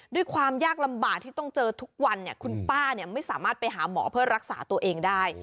ด้วยความยากลำบากที่ต้องเจอทุกวันคุณป้าไม่สามารถไปหาหมอเพื่อรักษาตัวเองได้